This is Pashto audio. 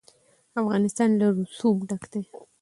افغانستان له رسوب ډک دی.